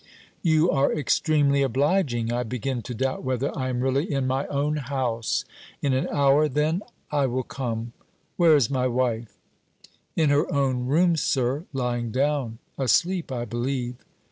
"You are extremely obliging. I begin to doubt whether I am really in my own house. In an hour, then, I will come. Where is my wife?" "In her own room, sir, lying down; asleep, I believe."